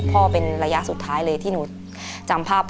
เป็นระยะสุดท้ายเลยที่หนูจำภาพ